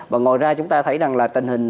và ngoài ra chúng ta thấy rằng là tình hình